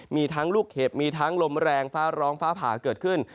มีทั้งลูกเห็บมีทั้งลมแรงฟ้าร้องฟ้าผ่าเกิดขึ้น